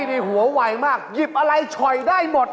นี่หัววัยมากหลบอะไรช่อยได้หมด